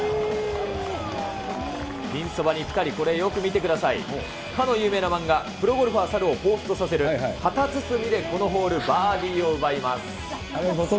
ピンそばにピタリ、これよく見てください、かの有名な漫画、プロゴルファー猿をほうふつとさせる、旗つつみでこのホール、バーディーを奪います。